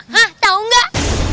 hah tau nggak